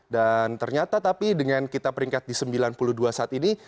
dan ternyata tapi dengan kita peringkat di sembilan puluh dua saat ini